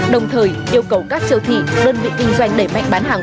đồng thời yêu cầu các siêu thị đơn vị kinh doanh đẩy mạnh bán hàng